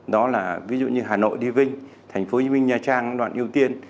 đó là ví dụ như hà nội đi vinh thành phố hồ chí minh nha trang đoạn ưu tiên